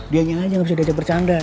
dianya aja gak bisa dejak bercanda